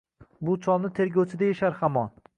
Bu cholni “tergovchi” deyishar hamon